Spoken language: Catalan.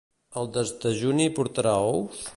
El desdejuni portarà ous?